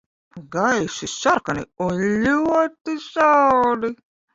Gaiši sarkani un ļoti saldi.